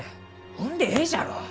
ほんでえいじゃろう！